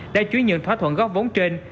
đã chú nhận thỏa thuận góp vốn trên